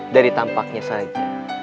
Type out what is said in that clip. dari tampaknya saja